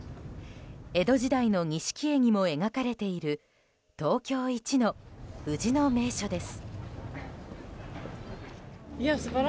江戸時代の錦絵にも描かれている東京一の藤の名所です。